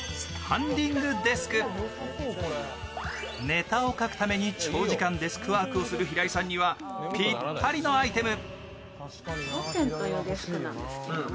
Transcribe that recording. ネタを書くために長時間デスクワークをする平井さんにはぴったりのアイテム。